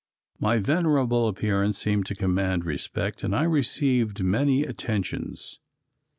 My venerable appearance seemed to command respect and I received many attentions.